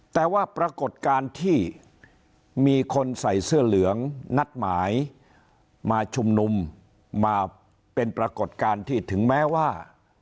แต่ว่าปรากฏการณ์ที่มีคนใส่เสื้อเหลืองนัดหมายมาชุมนุมมาเป็นปรากฏการณ์ที่ถึงแม้ว่า